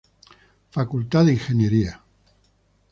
Facultad de Ingenierías.